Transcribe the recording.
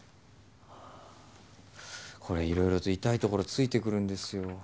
これ色々と痛いところ突いてくるんですよ。